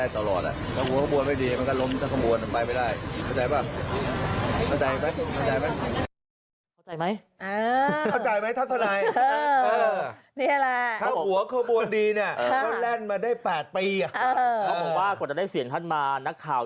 ต้องกินข้าวแล้วไม่ได้กินอย่างเดียวนะคะ